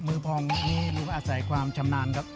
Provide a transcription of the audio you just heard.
มือพองนี้หรือว่าอาศัยความชำนาญครับ